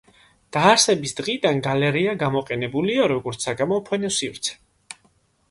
დაარსების დღიდან გალერეა გამოყენებულია, როგორც საგამოფენო სივრცე.